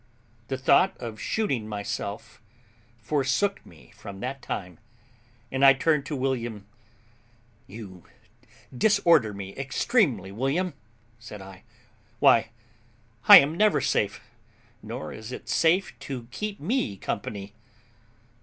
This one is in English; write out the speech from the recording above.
The thought of shooting myself forsook me from that time; and I turned to William, "You disorder me extremely, William," said I; "why, I am never safe, nor is it safe to keep me company.